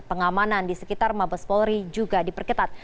pengamanan di sekitar mabes polri juga diperketat